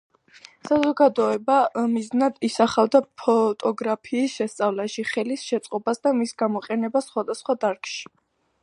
საზოგადოება მიზნად ისახავდა ფოტოგრაფიის შესწავლაში ხელის შეწყობას და მის გამოყენებას სხვადასხვა დარგში.